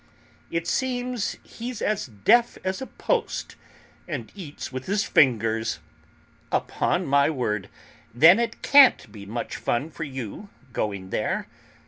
"It seems, he's as deaf as a post; and eats with his fingers." "Upon my word! Then it can't be much fun for you, going there."